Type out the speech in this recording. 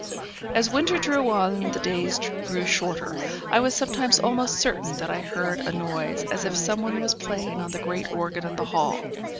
As winter drew on, and the days grew shorter, I was sometimes almost certain that I heard a noise as if someone was playing on the great organ in the hall.